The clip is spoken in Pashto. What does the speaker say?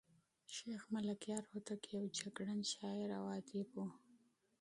شېخ ملکیار هوتک یو جګړن شاعر او ادیب وو.